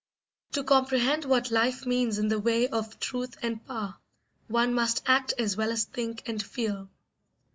To comprehend what life means in the way of truth and power, one must act as well as think and feel.